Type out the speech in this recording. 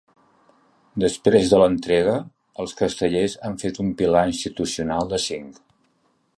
Després de l’entrega, els castellers han fet un pilar institucional de cinc.